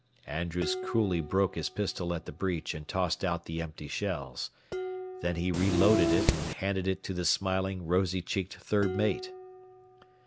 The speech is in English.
Andrews coolly broke his pistol at the breech and tossed out the empty shells. Then he reloaded it and handed it to the smiling, rosy cheeked third mate.